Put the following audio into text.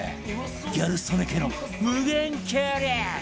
ギャル曽根家の無限きゅうり